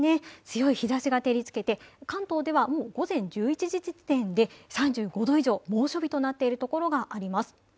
強い日ざしが照りつけて、関東ではもう午前１１時時点で３５度以上、猛暑日となっている所があります。